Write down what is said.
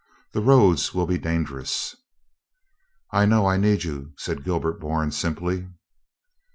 The roads will be dangerous." "I know I need you," said Gilbert Bourne simply.